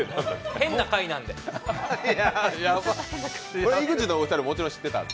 変な会なんで。